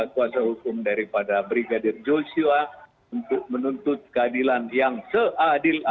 kuasa hukum daripada brigadir joshua untuk menuntut keadilan yang seadil adil